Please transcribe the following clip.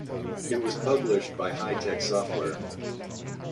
It was published by Hi-Tec Software.